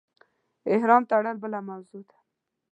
احرام تړل بله موضوع ده.